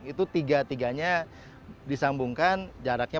itu tiga tiganya disambungkan jaraknya